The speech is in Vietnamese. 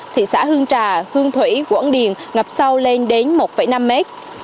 thị xã hương trà hương thủy quảng điền ngập sâu lên đến một năm mét